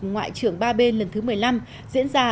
ngoại trưởng ba bên lần thứ một mươi năm diễn ra